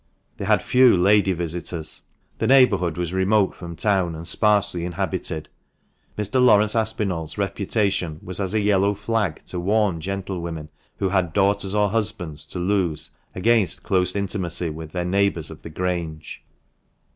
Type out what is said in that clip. They had few lady visitors. The neighbourhood was remote from town, and sparsely inhabited. Mr. Laurence Aspinall's reputation was as a yellow flag to warn gentlewomen who had daughters or husbands to lose against close intimacy with their neighbours of the Grange.